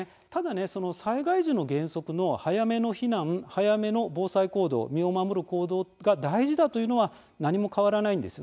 災害時の原則、早めの避難早めの防災行動身を守る行動が大切だというのは何も変わらないんです。